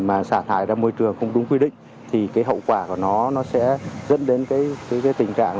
mà xả thải ra môi trường không đúng quy định thì cái hậu quả của nó nó sẽ dẫn đến cái tình trạng